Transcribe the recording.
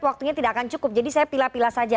waktunya tidak akan cukup jadi saya pilih pilih saja